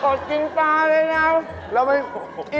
ทอดยังอ่ะทอดยังยังไม่ได้ทอดด้วยหรอ